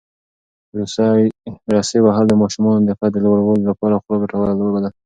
رسۍ وهل د ماشومانو د قد د لوړولو لپاره خورا ګټوره لوبه ده.